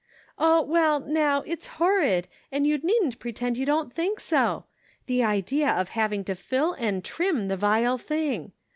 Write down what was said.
" Oh, well now, it's horrid, and you needn't pretend you don't think so. The idea of having to fill and trim the vile thing